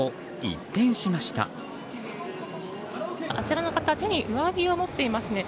あちらの方手に上着を持っていますね。